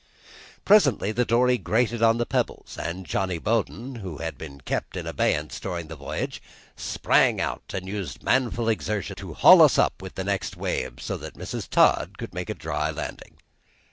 Presently the dory grated on the pebbles, and Johnny Bowden, who had been kept in abeyance during the voyage, sprang out and used manful exertions to haul us up with the next wave, so that Mrs. Todd could make a dry landing.